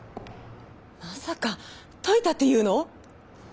まさかといたって言うの？